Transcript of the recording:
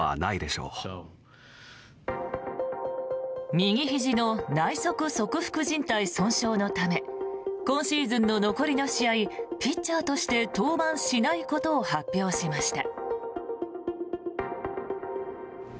右ひじの内側側副じん帯損傷のため今シーズンの残りの試合ピッチャーとして登板しないことを発表しました。